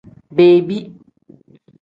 Bebi.